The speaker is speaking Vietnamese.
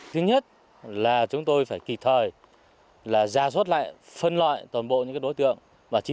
thứ nhất là chúng tôi phải kịp thời là giả soát lại phân loại